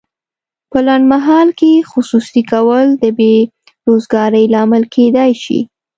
په لنډمهال کې خصوصي کول د بې روزګارۍ لامل کیدای شي.